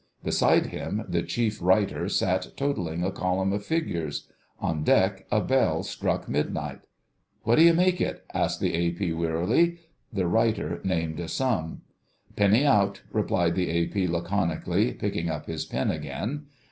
Beside him the Chief Writer sat totalling a column of figures: on deck a bell struck midnight. "What d'you make it?" asked the A.P. wearily. The Writer named a sum. "Penny out," replied the A.P. laconically, picking up his pen again.